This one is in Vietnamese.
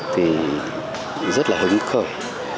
thì rất là hứng khởi